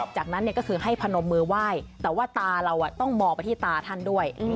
จากนั้นก็คือให้พนมมือไหว้แต่ว่าตาเราต้องมองไปที่ตาท่านด้วย